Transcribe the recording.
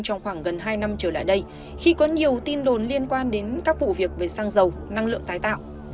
trong khoảng gần hai năm trở lại đây khi có nhiều tin đồn liên quan đến các vụ việc về xăng dầu năng lượng tái tạo